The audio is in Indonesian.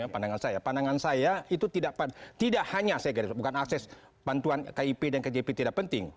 pandangan saya pandangan saya itu tidak hanya saya garis bukan akses bantuan kip dan kjp tidak penting